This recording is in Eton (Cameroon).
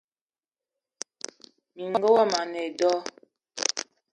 Minenga womo a ne e do.